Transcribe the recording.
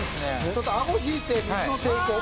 「ちょっとあご引いて水の抵抗を。